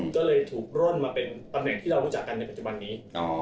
ก็เลยถูกร่นมาเป็นตำแหน่งที่เรารู้จักกันในปัจจุบันนี้